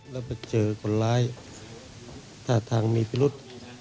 แล้วไปเจอคนร้ายท่าทางมีพิรุษ